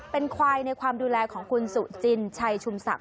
เป็นควายในความดูแลของคุณสุจินชัยชุมศักดิ